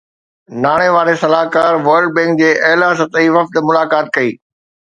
ناڻي واري صلاحڪار سان ورلڊ بينڪ جي اعليٰ سطحي وفد ملاقات ڪئي